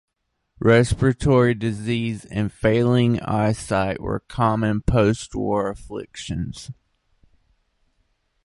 Respiratory disease and failing eyesight were common post-war afflictions.